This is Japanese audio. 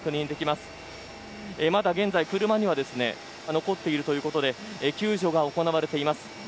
まだ現在、車には残っているということで救助が行われています。